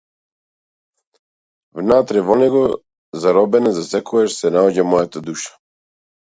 Внатре во него, заробена засекогаш, се наоѓа мојата душа.